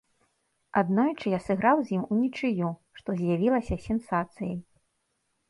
Аднойчы я сыграў з ім унічыю, што з'явілася сенсацыяй.